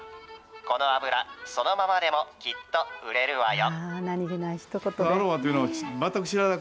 この油、そのままでもきっと売れるわよ。